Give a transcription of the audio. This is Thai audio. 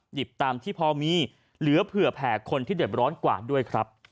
หยิบตามที่พอมีเหลือเผื่อแผ่คนที่เด็ดร้อนกว่าด้วยครับ